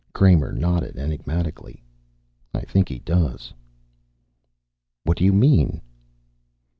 Kramer nodded enigmatically. "I think he does." "What do you mean?"